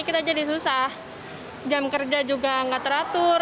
kita jadi susah jam kerja juga nggak teratur